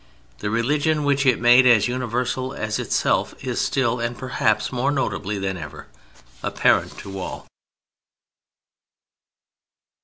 The religion which it made as universal as itself is still, and perhaps more notably than ever, apparent to all.